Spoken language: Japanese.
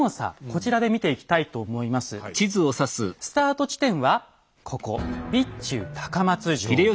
スタート地点はここ備中高松城。